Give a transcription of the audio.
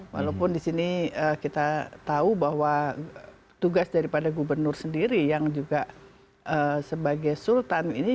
walaupun di sini kita tahu bahwa tugas daripada gubernur sendiri yang juga sebagai sultan ini